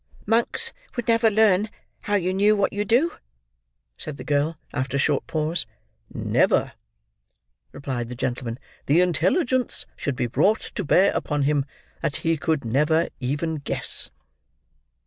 "Monks would never learn how you knew what you do?" said the girl, after a short pause. "Never," replied the gentleman. "The intelligence should be brought to bear upon him, that he could never even guess."